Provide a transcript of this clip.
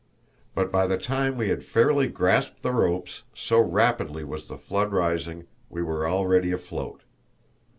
But by the time we had fairly grasped the ropes, so rapidly was the flood rising, we were already afloat.